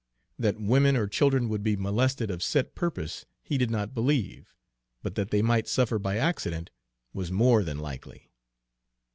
That women or children would be molested of set purpose he did not believe, but that they might suffer by accident was more than likely.